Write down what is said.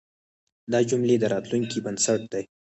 دا جملې د راتلونکي بنسټ دی.